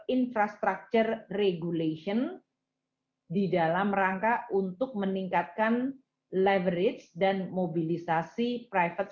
infrastructure regulation di dalam rangka untuk meningkatkan leverage dan mobilisasi private